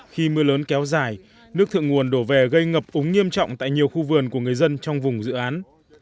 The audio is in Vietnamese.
khi mưa lớn kéo dài nước thượng nguồn đổ về gây ngập úng nghiêm trọng tại nhiều khu vườn của người dân trong vùng dự án